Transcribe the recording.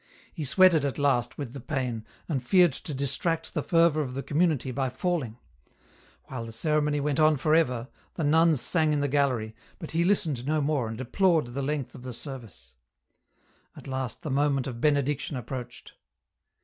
He sweated at last with the pain, and feared to distract the fervour of the community by falling ; while the ceremony went on for ever, the nuns sang in the gallery, but he listened no more and deplored the length of the service. At last the moment of Benediction approached.